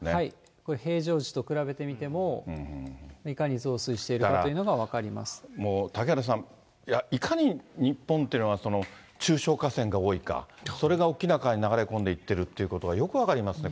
これ、平常時と比べてみても、いかに増水しているかというのがもう嵩原さん、いかに日本っていうのは、中小河川が多いか、それが大きな川に流れ込んでいってるということがよく分かります